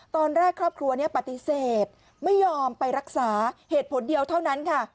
ตอนแรกครอบครัวนี้ปฏิเสธไม่ยอมไปรักษาเหตุผลเดียวเท่านั้นค่ะ